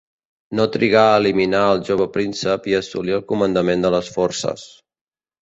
No trigà a eliminar al jove príncep i assolir el comandament de les forces.